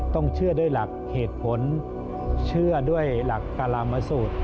ต้องเชื่อด้วยหลักเหตุผลเชื่อด้วยหลักการามสูตร